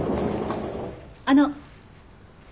あの。